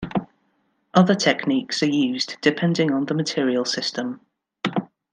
Other techniques are used depending on the material system.